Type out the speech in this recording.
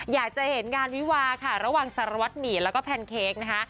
อยากจะเห็นงานวิวาค่ะระหว่างสารวัตรหมี่แล้วก็แพนเค้กนะคะ